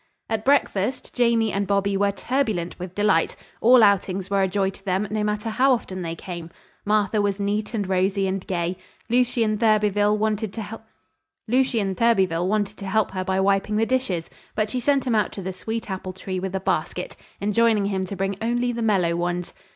At breakfast Jamie and Bobby were turbulent with delight. All outings were a joy to them, no matter how often they came. Martha was neat and rosy and gay. Lucien Thurbyfil wanted to help her by wiping the dishes, but she sent him out to the sweet apple tree with a basket, enjoining him to bring only the mellow ones.